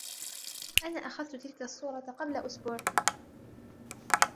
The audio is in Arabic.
أنا أخذت تلك الصورة قبل إسبوع.